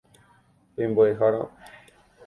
Pe mbo'ehára.